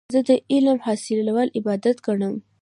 زه د علم حاصلول عبادت ګڼم.